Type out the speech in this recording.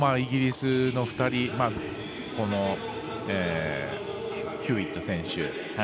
イギリスの２人ヒューウェット選手